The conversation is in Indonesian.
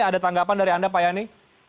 ada tanggapan dari anda pak yani